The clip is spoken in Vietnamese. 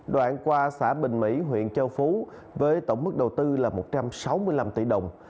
đoạn qua xã bình mỹ huyện châu phú với tổng mức đầu tư là một trăm sáu mươi năm tỷ đồng